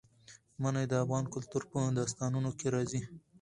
منی د افغان کلتور په داستانونو کې راځي.